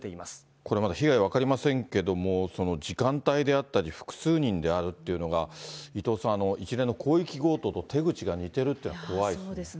これまだ被害が分かりませんけども、時間帯であったり、複数人であるっていうのが、伊藤さん、一連の広域強盗と手口が似てるっていうのが怖いですね。